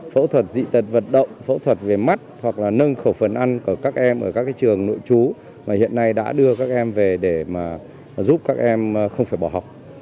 phẫu thuật dị tật vận động phẫu thuật về mắt hoặc là nâng khẩu phần ăn của các em ở các trường nội chú mà hiện nay đã đưa các em về để mà giúp các em không phải bỏ học